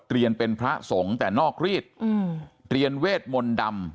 เรียนเป็นพระสงฆ์แต่นอกรีดเรียนเวทมนต์ดำ